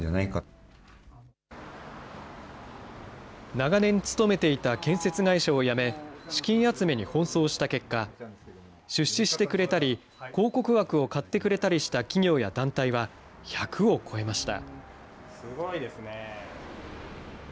長年勤めていた建設会社を辞め、資金集めに奔走した結果、出資してくれたり、広告枠を買ってくれたりした企業や団体は１００を超えました。